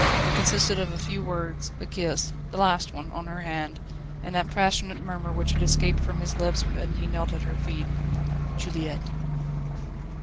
It consisted of a few words, a kiss the last one on her hand, and that passionate murmur which had escaped from his lips when he knelt at her feet: "Juliette!"